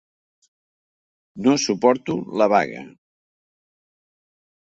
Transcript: No suporto la vaga.